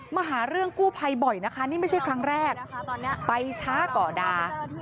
มาหาเรื่องกู้ภัยบ่อยนะคะนี่ไม่ใช่ครั้งแรกไปช้าก่อดา